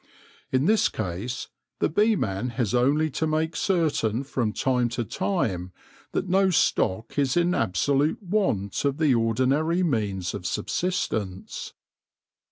In this case the beeman has only to make certain from time to time that no stock is in absolute want of the ordinary means of subsistence.